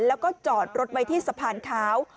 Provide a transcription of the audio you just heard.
แล้วก็จอดรถไว้ที่สะพานขาว